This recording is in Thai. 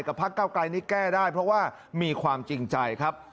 พักเก้าไกรนี้แก้ได้เพราะว่ามีความจริงใจครับ